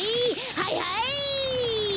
はいはい！